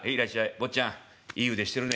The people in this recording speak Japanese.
坊ちゃんいい腕してるね」。